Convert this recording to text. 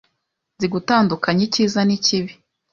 Nzi gutandukanya icyiza n'ikibi.